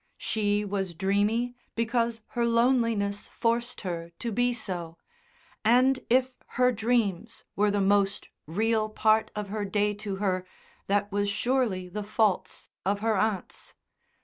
She was dreamy because her loneliness forced her to be so, and if her dreams were the most real part of her day to her that was surely the faults of her aunts.